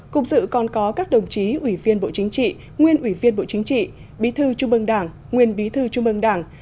cục dự còn có các đồng chí ủy viên bộ chính trị nguyên ủy viên bộ chính trị bí thư trung ương đảng nguyên bí thư trung ương đảng